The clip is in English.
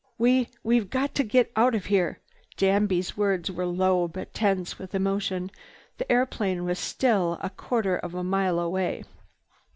"We—we've got to get out of here!" Danby's words were low, but tense with emotion. The airplane was still a quarter of a mile away.